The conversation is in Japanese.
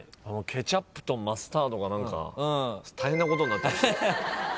ケチャップとマスタードが何か大変なことになって。